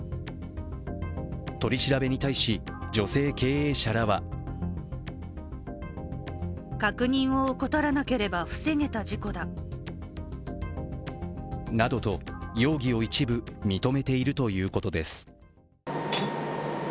取り調べに対し、女性経営者らはなどと容疑を一部認めているということです。